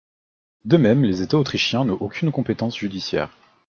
De même, les États autrichiens n'ont aucune compétence judiciaire.